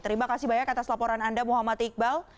terima kasih banyak atas laporan anda muhammad iqbal